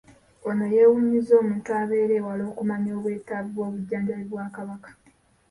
Ono yeewuunyizza omuntu abeera ewala okumanya obwetaavu bw'obujjanjabi bwa Kabaka